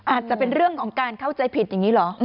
อาจจะเป็นเรื่องของการเข้าใจผิดอย่างนี้เหรอ